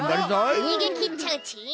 にげきっちゃうち。